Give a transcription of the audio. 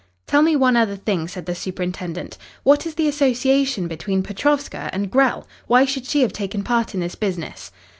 "Tell me one other thing," said the superintendent. "What is the association between Petrovska and Grell? Why should she have taken part in this business?"